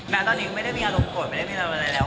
ตอนนี้ไม่ได้มีอารมณ์โกรธไม่ได้มีอะไรแล้ว